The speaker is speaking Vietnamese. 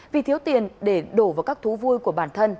vì thiếu tiền để đổ vào các thú vui của bản thân